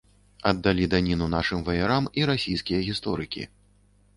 Аддалі даніну нашым ваярам і расійскія гісторыкі.